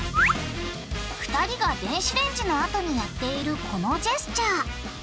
２人が電子レンジのあとにやっているこのジェスチャー。